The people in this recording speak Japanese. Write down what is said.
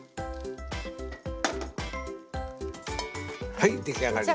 はい出来上がりです。